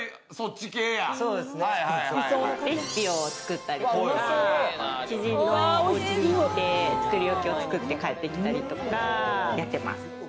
レシピを作ったりとか、知人のおうちに行って、作り置きを作って帰ってきたりとか、やってます。